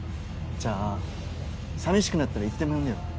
じゃあさみしくなったらいつでも呼んでよ。